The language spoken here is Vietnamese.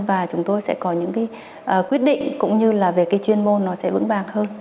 và chúng tôi sẽ có những quyết định cũng như là về chuyên môn nó sẽ vững vàng hơn